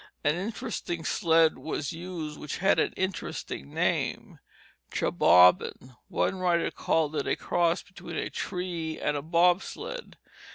An interesting sled was used which had an interesting name, chebobbin. One writer called it a cross between a tree and a bobsled.